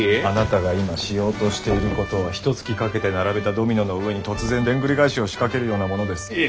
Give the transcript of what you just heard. あなたが今しようとしていることはひとつきかけて並べたドミノの上に突然でんぐり返しを仕掛けるようなものです。